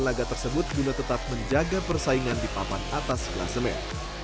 laga tersebut juga tetap menjaga persaingan di papan atas kelas mn